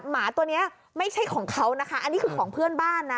หมาตัวนี้ไม่ใช่ของเขานะคะอันนี้คือของเพื่อนบ้านนะ